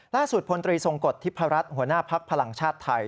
ล่าสุดพลตรีทรงกฎทิพรรศหัวหน้าพักพลังชาติไทย